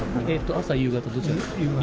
朝、夕方、どちらですか？